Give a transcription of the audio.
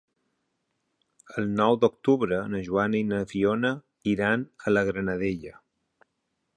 El nou d'octubre na Joana i na Fiona iran a la Granadella.